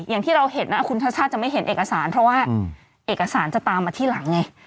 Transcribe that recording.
อย่างที่เราเห็นนะคุณชัชชาติจะไม่เห็นเอกสารเพราะว่าเอกสารจะตามมาที่หลังไง